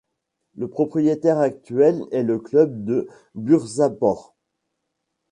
Le propriétaire actuelle est le club de Bursaspor.